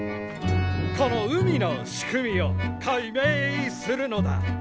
「この海の仕組みを解明するのだ」